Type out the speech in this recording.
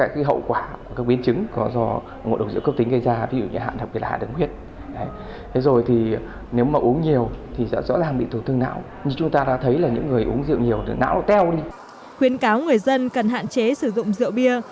khuyến cáo người dân cần hạn chế sử dụng rượu bia